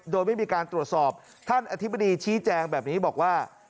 โดยไม่มีการตรวจสอบท่านอธิบดีชี้แจงแบบนี้บอกว่า